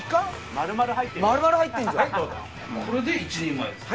これで一人前ですか？